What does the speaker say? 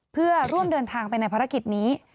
เพื่อร่วมเดินทางไปในภารกิจนี้